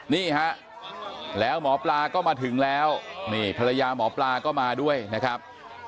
นี่ฮะแล้วหมอปลาก็มาถึงแล้วนี่ภรรยาหมอปลาก็มาด้วยนะครับ